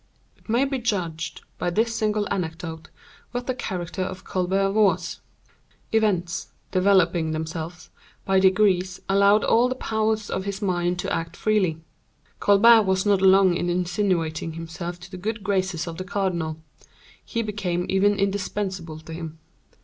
It may be judged by this single anecdote, what the character of Colbert was. Events, developing themselves, by degrees allowed all the powers of his mind to act freely. Colbert was not long in insinuating himself to the good graces of the cardinal: he became even indispensable to him.